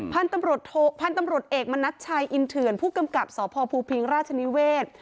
พันธุ์ตำรวจเอกมณัชชัยอินเถื่อนผู้กำกับสพภูพิงราชนิเวศ